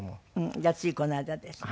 じゃあついこの間ですね。